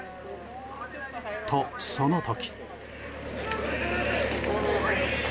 と、その時。